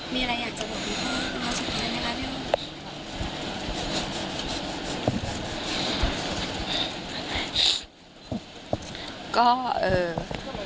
มีอะไรอยากจะบอกคุณพ่อคุณพ่อสุดท้ายไหมคะพี่พ่อ